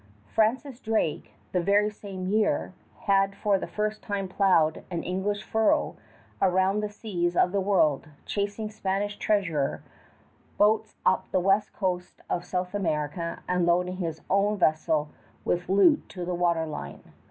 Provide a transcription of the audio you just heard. Francis Drake, the very same year, had for the first time plowed an English furrow around the seas of the world, chasing Spanish treasure boats up the west coast of South America and loading his own vessel with loot to the water line.